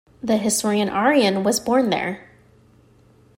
The historian Arrian was born there.